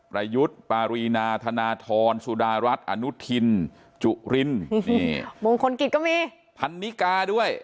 ประยุทธ์ปารีนาธนทรสุดารัฐอนุทินจุรินมงคลกิจก็มีพันนิกาด้วย